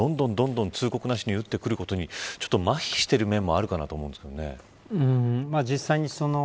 日本で北朝鮮という隣の国が、どんどん通告なしに撃ってくることにまひしている面もあるかなと思うんですけどね。